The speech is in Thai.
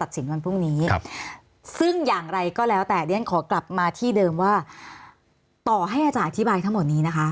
วันพรุ่งนี้ซึ่งอย่างไรก็แล้วแต่เรียนขอกลับมาที่เดิมว่าต่อให้อาจารย์อธิบายทั้งหมดนี้นะคะ